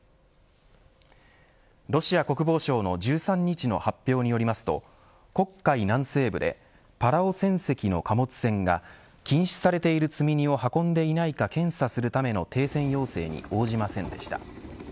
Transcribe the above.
ロシア国防省の１３日の発表によりますと黒海南西部でパラオ船籍の貨物船が禁止されている積み荷を運んでいないか検査するための停船要請に応じませんでした。